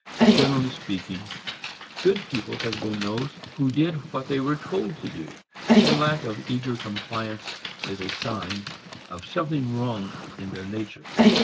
Generally speaking, good people have been those who did what they were told to do, and lack of eager compliance is a sign of something wrong in their nature.